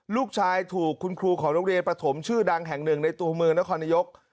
ลูกชายถูกคุณครูของโรงเรียนประถมชื่อดังแห่งหนึ่งในตัวเมืองนครนายก